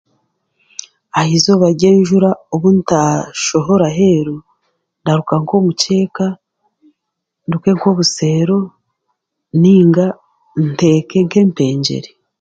Ahizooba ryenjura obu ntaashohora heeru, ndaruka nk'omuceeka, nduke nk'obuseero, nainga nteeke nk'empengyere.